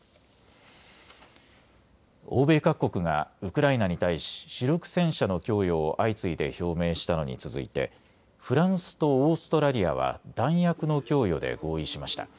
欧米各国がウクライナに対し主力戦車の供与を相次いで表明したのに続いて、フランスとオーストラリアは弾薬の供与で合意しました。